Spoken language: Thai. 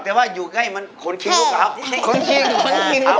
แต่ว่าอยู่ใกล้มันโคนขี้ลูกเรา